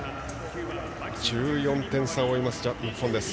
１４点差を追います日本です。